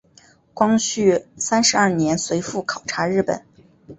光绪三十二年随父考察日本。